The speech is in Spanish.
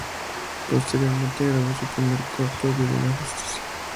Posteriormente grabó su primer corto, "Divina Justicia".